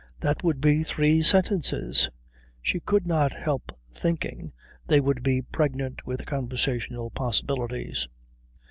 That would be three sentences. She could not help thinking they would be pregnant with conversational possibilities.